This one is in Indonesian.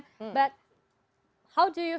tapi bagaimana perasaan anda